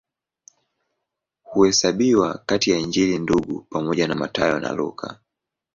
Huhesabiwa kati ya Injili Ndugu pamoja na Mathayo na Luka.